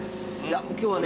今日はね